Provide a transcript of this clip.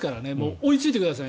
追いついてください